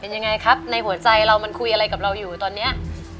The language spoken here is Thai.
เป็นยังไงครับในหัวใจเรามันคุยอะไรกันอยู่เต่าเนี่ย